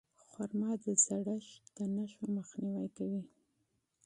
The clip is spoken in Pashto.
خرما د زړښت د نښو مخنیوی کوي.